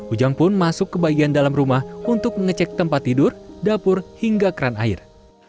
ujang pun masuk ke bagian dalam rumah untuk mengecek tempat tidur dapur hingga keran air